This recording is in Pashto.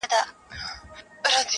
سره لمبه به دا ښارونه دا وطن وي-